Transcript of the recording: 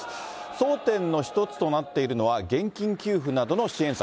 争点の一つとなっているのは、現金給付などの支援策。